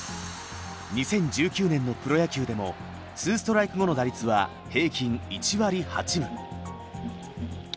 ２０１９年のプロ野球でも２ストライク後の打率は平均１割８分。